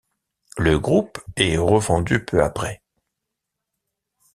Le groupe est revendu peu après.